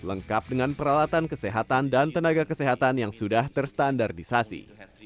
lengkap dengan peralatan kesehatan dan tenaga kesehatan yang sudah terstandarisasi